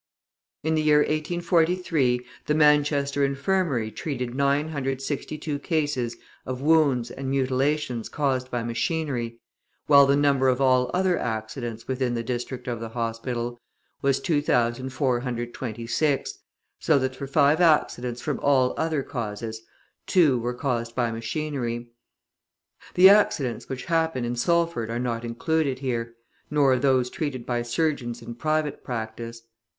In the year 1843, the Manchester Infirmary treated 962 cases of wounds and mutilations caused by machinery, while the number of all other accidents within the district of the hospital was 2,426, so that for five accidents from all other causes, two were caused by machinery. The accidents which happened in Salford are not included here, nor those treated by surgeons in private practice.